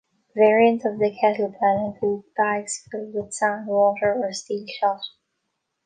Variants of the kettlebell include bags filled with sand, water, or steel shot.